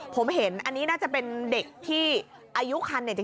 ผมเห็นอันนี้น่าจะเป็นเด็กที่อายุคันเนี่ย